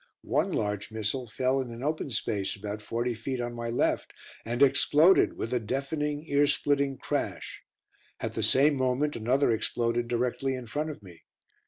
One large missile fell in an open space about forty feet on my left, and exploded with a deafening, ear splitting crash. At the same moment another exploded directly in front of me.